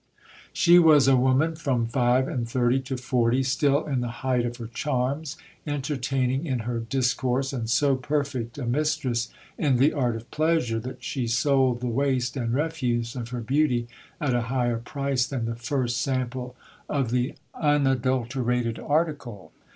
She was a woman from five and thirty to forty, still in the height of her charms, entertaining in her discourse, and so perfect a mistress in the art of pleasure, that she sold the waste and refuse of her beauty at a higher price than the first sample of the unadulterated article.